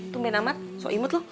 tumben amat sok imut lo